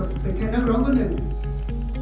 ก็เป็นแค่นักร้องเมื่อหนึ่ง